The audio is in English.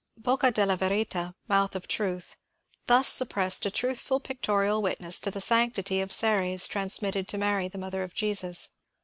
Boeca della Verita, —*' Mouth of Truth," — thus sup pressed a truthful pictorial witness to the sanctity of Ceres transmitted to Mary the mother of Jesus.